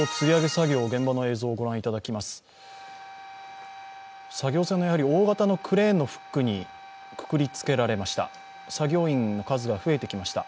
作業船の大型のクレーンのフックにくくりつけられました。